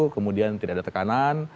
kemudian tidak ada tekanan